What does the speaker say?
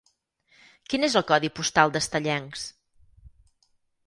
Quin és el codi postal d'Estellencs?